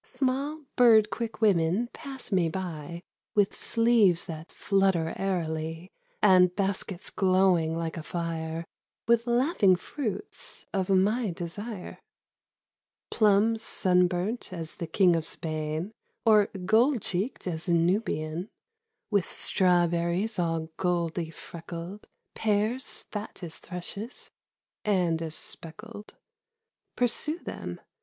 Small bird quick women pass me by With sleeves that flutter airily And baskets glowing like a fire With laughing fruits of my desire : 80 Two Orchard Poems. Plums sunburnt as the King of Spain, Or gold cheeked as a Nubian ; With strawberries all goldy freckled, Pears fat as thrushes, and as speckled. Pursue them